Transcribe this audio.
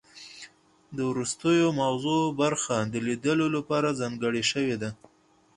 د وروستیو مغزو برخه د لیدلو لپاره ځانګړې شوې ده